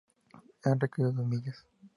Han recorrido dos millas.